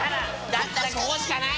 だったらここしかない！